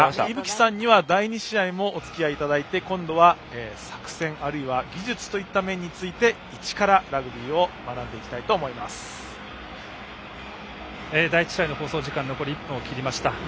依吹さんには、第２試合もおつきあいいただいて今度は作戦、あるいは技術といった面についてイチからラグビーを第１試合の放送時間が残り１分を切りました。